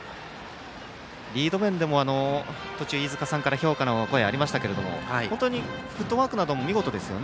リード面でも途中、飯塚さんから評価の声がありましたが本当に、フットワークなども見事ですよね。